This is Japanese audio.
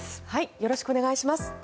よろしくお願いします。